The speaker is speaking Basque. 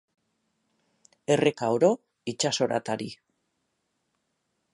Erreka oro itsasorat ari.